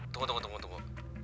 tunggu tunggu tunggu